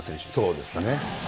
そうですね。